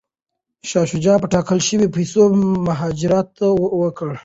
شاه شجاع به ټاکل شوې پیسې مهاراجا ته ورکوي.